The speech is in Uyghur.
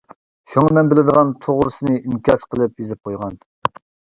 شۇڭا مەن بىلىدىغان توغرىسىنى ئىنكاس قىلىپ يېزىپ قويغان.